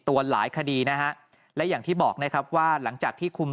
หลายคดีนะฮะและอย่างที่บอกนะครับว่าหลังจากที่คุม